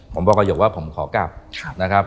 ผมบอกประโยคว่าผมขอกลับนะครับ